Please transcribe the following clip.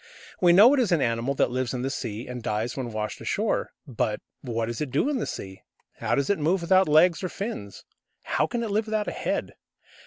We know it is an animal that lives in the sea, and dies when washed ashore. But what does it do in the sea? How does it move without legs or fins? How can it live without a head?